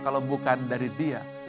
kalau bukan dari dia